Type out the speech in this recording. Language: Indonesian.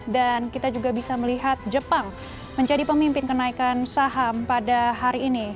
dan kita juga bisa melihat jepang menjadi pemimpin kenaikan saham pada hari ini